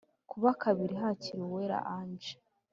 Ku wa kabiri hakiriwe uwera ange